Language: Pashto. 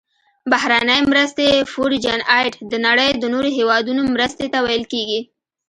بهرنۍ مرستې Foreign Aid د نړۍ د نورو هیوادونو مرستې ته ویل کیږي.